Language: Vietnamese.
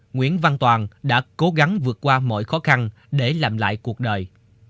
nguyễn văn toàn đã cố gắng vượt qua mọi khó khăn để làm lại cuộc đời